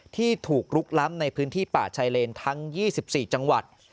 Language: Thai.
ที่ถูกลุกล้ำในพื้นที่ป่าชายเลนทั้ง๒๔จังหวัด